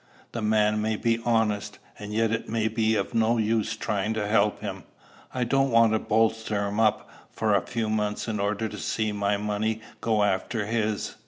The man may be honest, and yet it may be of no use trying to help him. I don't want to bolster him up for a few months in order to see my money go after his.